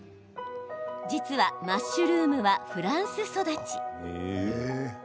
実は、マッシュルームはフランス育ち。